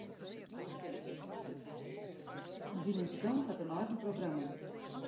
Dy muzikant hat in eigen programma.